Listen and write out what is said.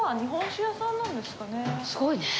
すごいね。